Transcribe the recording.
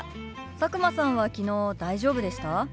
佐久間さんは昨日大丈夫でした？